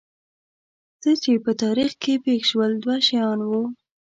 څه چې په تاریخ کې پېښ شول دوه شیان وو.